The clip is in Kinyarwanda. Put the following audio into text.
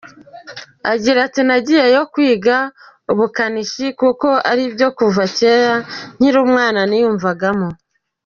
Agira ati “Nagiyeyo kwiga ubukanishi kuko aribyo kuva kera nkiri umwana niyumvagamo.